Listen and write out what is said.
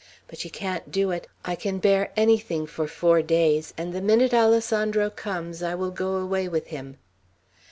But she can't do it. I can bear anything for four days; and the minute Alessandro comes, I will go away with him."